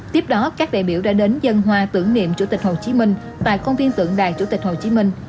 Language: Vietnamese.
tiếp đó các đại biểu đã đến dân hoa tưởng niệm chủ tịch hồ chí minh tại công viên tượng đài chủ tịch hồ chí minh